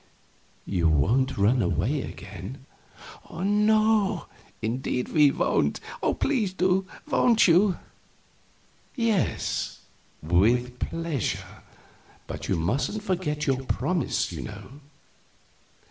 "You won't run away again?" "No indeed we won't. Please do. Won't you?" "Yes, with pleasure; but you mustn't forget your promise, you know."